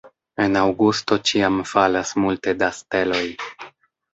En aŭgusto ĉiam falas multe da steloj.